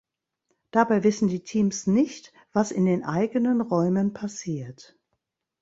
Dabei wissen die Teams nicht, was in den eigenen Räumen passiert.